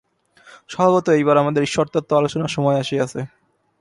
স্বভাবতই এইবার আমাদের ঈশ্বরতত্ত্ব-আলোচনার সময় আসিয়াছে।